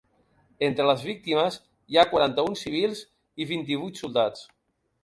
Entre les víctimes, hi ha quaranta-un civils i vint-i-vuit soldats.